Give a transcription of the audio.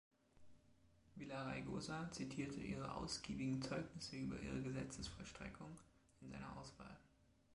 Villaraigosa zitierte ihre „ausgiebigen Zeugnisse über ihre Gesetzesvollstreckung“ in seiner Auswahl.